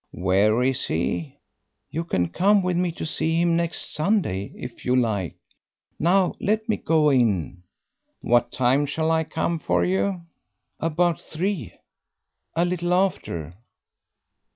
"Where is he?" "You can come with me to see him next Sunday, if you like. Now let me go in." "What time shall I come for you?" "About three a little after."